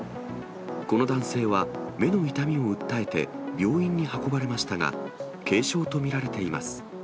この男性は、目の痛みを訴えて病院に運ばれましたが、軽傷と見られています。